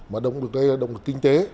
mà động lực đây là động lực kinh tế